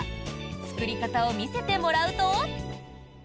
作り方を見せてもらうと。